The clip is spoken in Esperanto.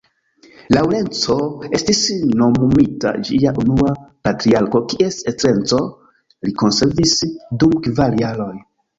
Laŭrenco estis nomumita ĝia unua patriarko kies estreco li konservis dum kvar jaroj.